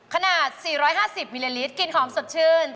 ขนาด๔๕๐มิลลิลิตรกลิ่นหอมสดชื่น